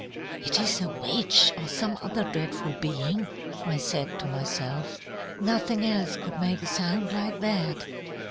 "'It is a witch, or some other dreadful being,' I said to myself. 'Nothing else could make a sound like that.'